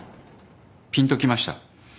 ぴんときました。